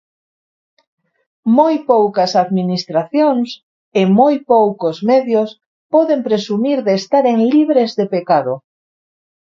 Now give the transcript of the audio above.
Moi poucas administracións, e moi poucos medios, poden presumir de estaren libres de pecado.